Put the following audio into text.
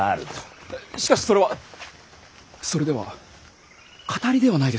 しかしそれはそれではかたりではないですか。